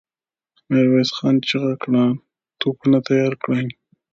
ميرويس خان چيغه کړه! توپونه تيار کړئ!